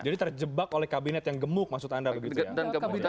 jadi terjebak oleh kabinet yang gemuk maksud anda